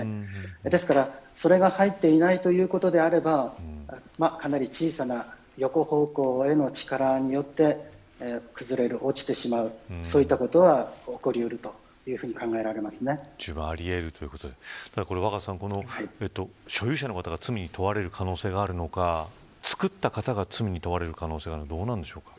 ですから、それが入っていないということであればかなり小さな横方向への力によって崩れる、落ちてしまうそういったことは若狭さん所有者の方が罪に問われる可能性があるのか作った方が罪に問われる可能性があるのか、どうなんでしょうか。